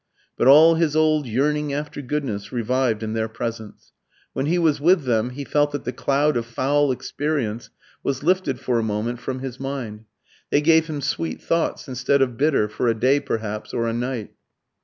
But all his old yearning after goodness revived in their presence. When he was with them he felt that the cloud of foul experience was lifted for a moment from his mind; they gave him sweet thoughts instead of bitter for a day perhaps, or a night.